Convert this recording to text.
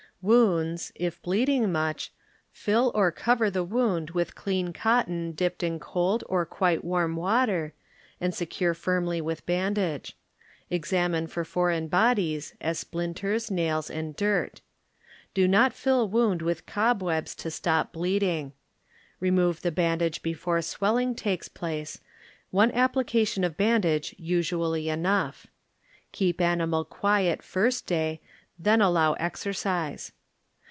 Wounds, if bleeding much, till or cover the wound with clean cotton dipped in cold or quite warm water, and secure firmly with bandage ; examine for foreign bodies, as solinters,. nails and dirt. Do not fill wound with cobwebs to stop bleeding. Remove the bandage be fore swelling takes place; one applica tion of bandage usually enough. Keep animal quiet first day, then allow exer cise.